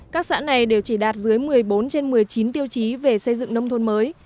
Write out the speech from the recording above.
các xã này đều chỉ đạt dưới một mươi bốn trên một mươi chín tiêu chí về xây dựng nông thôn mới